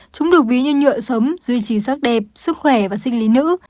chúng được ví như nhựa sống duy trì sắc đẹp sức khỏe và sinh lý nữ